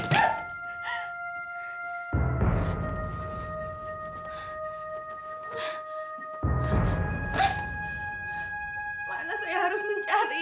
di mana saya harus mencarinya